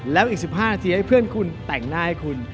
แล้วอีก๑๕นาทีให้เพื่อนคุณแต่งหน้าให้คุณ